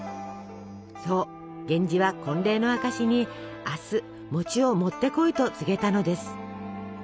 そう源氏は婚礼の証しに明日を持ってこいと告げたのです。